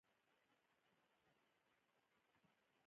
غوښې د افغانستان په ستراتیژیک اهمیت کې رول لري.